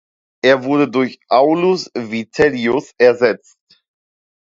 Er wurde durch Aulus Vitellius ersetzt.